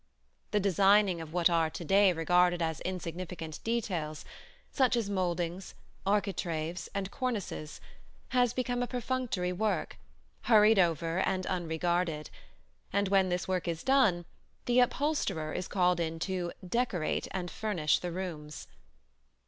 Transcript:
The designing of what are to day regarded as insignificant details, such as mouldings, architraves, and cornices, has become a perfunctory work, hurried over and unregarded; and when this work is done, the upholsterer is called in to "decorate" and furnish the rooms.